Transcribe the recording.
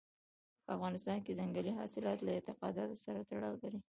په افغانستان کې ځنګلي حاصلات له اعتقاداتو سره تړاو لري.